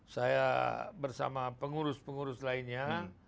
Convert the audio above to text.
saya bersama pengurus pengurus lainnya